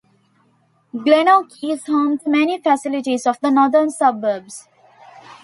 Glenorchy is home to many facilities of the northern suburbs.